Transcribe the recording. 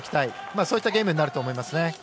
そういうゲームになると思います。